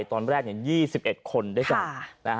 ตอนแรกอย่าง๒๑คนด้วยกัน